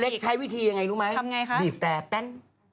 อเล็กซ์ใช้วิธียังไงรู้ไหมบีบแต้แป้น